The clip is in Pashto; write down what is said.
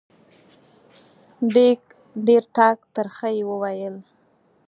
ډېر ټک ترخه یې وویل